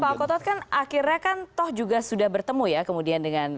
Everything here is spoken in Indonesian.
pak ustadz pak ustadz kan akhirnya kan toh juga sudah bertemu ya kemudian dengan